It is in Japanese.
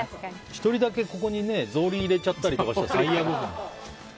１人だけここに草履入れちゃったりしたら最悪ですもんね。